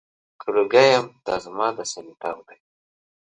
که لوګی یم، دا زما د سینې تاو دی.